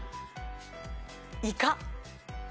イカ。